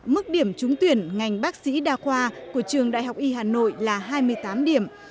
mức điểm trúng tuyển ngành bác sĩ đa khoa của trường đại học y hà nội là hai mươi tám điểm